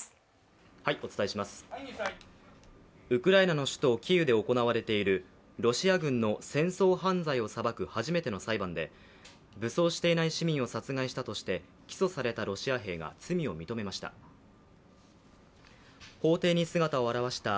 ウクライナの首都キーウで行われているロシア軍の戦争犯罪を裁く初めての裁判で武装していない市民を殺害したとして起訴されたロシア兵が罪を認めました。